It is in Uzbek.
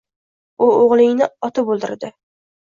U o’g’lingni otib o’ldirdi!